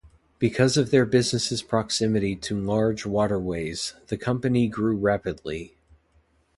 Because of their business's proximity to large waterways, the company grew rapidly.